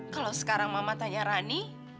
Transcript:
kalau sekarang mama tanya rani